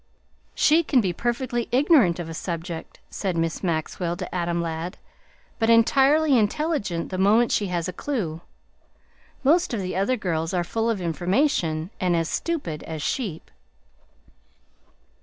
"She can be perfectly ignorant of a subject," said Miss Maxwell to Adam Ladd, "but entirely intelligent the moment she has a clue. Most of the other girls are full of information and as stupid as sheep."